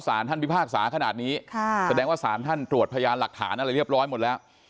สารท่านพิพากษาขนาดนี้แสดงว่าสารท่านตรวจพยานหลักฐานอะไรเรียบร้อยหมดแล้ว